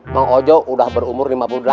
bang ojo udah berumur lima puluh delapan